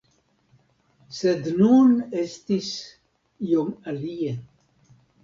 Sed nun estis iom alie.